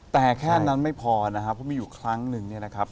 แต่แค่นั้นไม่พอนะครับเพราะมีอยู่ครั้งนึงเนี่ยนะครับ